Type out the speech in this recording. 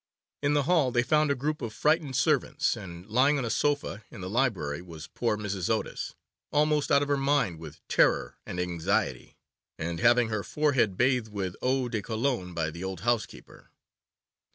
In the hall they found a group of frightened servants, and lying on a sofa in the library was poor Mrs. Otis, almost out of her mind with terror and anxiety, and having her forehead bathed with eau de cologne by the old housekeeper.